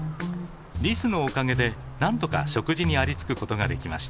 リスのおかげでなんとか食事にありつくことができました。